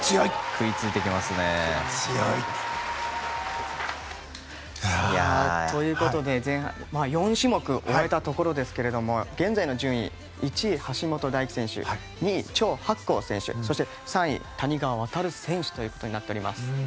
食いついてきますね。ということで４種目終えたところですが現在の順位１位、橋本大輝選手２位、チョウ・ハクコウ選手そして、３位に谷川航選手ということになっています。